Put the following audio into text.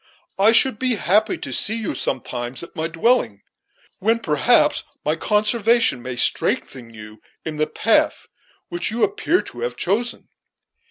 I should be happy to see you sometimes at my dwelling, when, perhaps, my conversation may strengthen you in the path which you appear to have chosen.